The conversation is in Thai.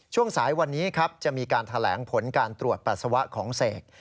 ช่วงสายวันนี้ครับจะมีการแถลงผลการตรวจปัสสาวะของเสก